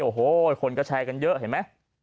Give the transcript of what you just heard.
โอ้โหคนก็แชร์กันเยอะเห็นไหม